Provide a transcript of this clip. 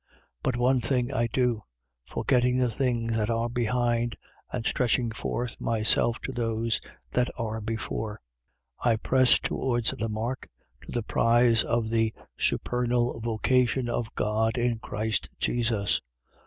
But one thing I do: Forgetting the things that are behind and stretching forth myself to those that are before, 3:14. I press towards the mark, to the prize of the supernal vocation of God in Christ Jesus.